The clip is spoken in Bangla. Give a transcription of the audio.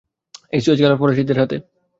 এই সুয়েজ খাল ফরাসীদের হাতে।